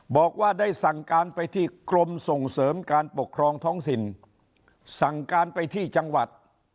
บอกว่าได้สั่งการไปที่กรมส่งเสริมการปกครองท้องถิ่นสั่งการไปที่จังหวัด